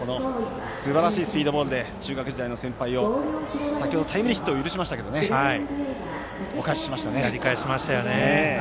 すばらしいスピードボールで中学時代の先輩を先ほどタイムリーヒットを許しましたけれどもお返ししましたね。